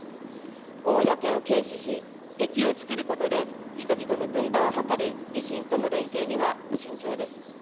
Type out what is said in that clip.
公を軽視し、敵をつくることで、人々の分断を図る維新との連携には慎重です。